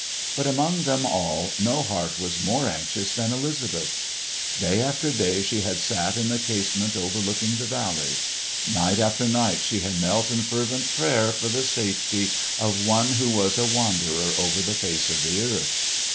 But among them all, no heart was more anxious than Elizabeth's. Day after day she had sat in the casement overlooking the valley. Night after night she had knelt in fervent prayer for the safety of one who was a wanderer over the face of the earth.